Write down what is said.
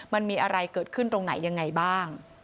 มันมีอะไรเกิดขึ้นตรงไหนยังไงบ้าง